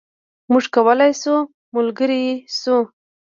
موږ کولای شو ملګري شو.